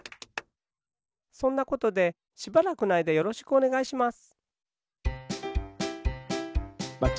そんなことでしばらくのあいだよろしくおねがいします。